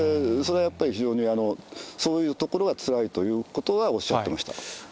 それはやっぱり、非常にそういうところはつらいということは、おっしゃっていまし